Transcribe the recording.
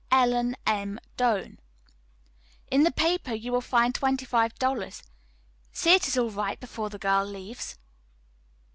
"ELLEN M. DOAN. "In the paper you will find $25; see it is all right before the girl leaves."